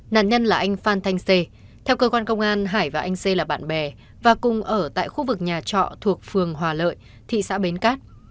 nạn nhân là anh phan thanh xê theo cơ quan công an hải và anh xê là bạn bè và cùng ở tại khu vực nhà trọ thuộc phường hòa lợi thị xã bến cát